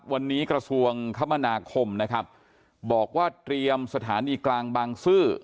วันนี้กระทรวงคมนาคมนะครับบอกว่าเตรียมสถานีกลางบางซื่อ